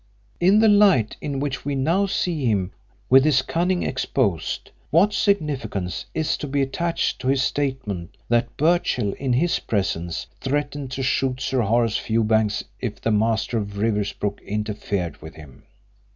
In the light in which we now see him, with his cunning exposed, what significance is to be attached to his statement that Birchill in his presence threatened to shoot Sir Horace Fewbanks if the master of Riversbrook interfered with him?